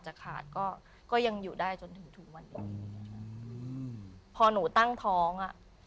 ขาดก็ก็ยังอยู่ได้จนถึงทุกวันนี้อืมพอหนูตั้งท้องอ่ะ